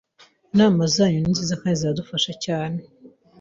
inama zanyu ninziza kandi ziradufasha cyane